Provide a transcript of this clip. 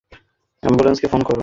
এম্বুলেন্সকে phone করো।